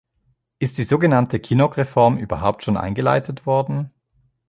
Ist die so genannte Kinnock-Reform überhaupt schon eingeleitet worden?